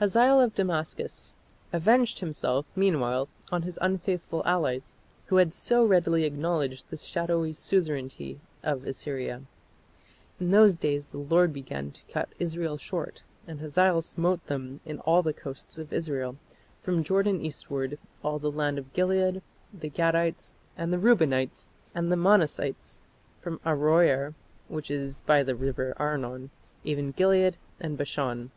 Hazael of Damascus avenged himself meanwhile on his unfaithful allies who had so readily acknowledged the shadowy suzerainty of Assyria. "In those days the Lord began to cut Israel short: and Hazael smote them in all the coasts of Israel; from Jordan eastward, all the land of Gilead, the Gadites, and the Reubenites, and the Manassites, from Aroer, which is by the river Arnon, even Gilead and Bashan."